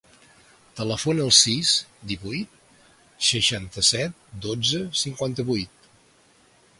Telefona al sis, divuit, seixanta-set, dotze, cinquanta-vuit.